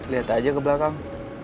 lihat aja ke belakang